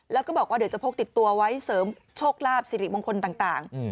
แล้วก็บอกว่าเดี๋ยวจะพกติดตัวไว้เสริมโชคลาภสิริมงคลต่าง